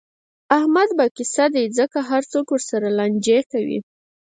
احمد به کسه دی، ځکه هر څوک ورسره لانجې کوي.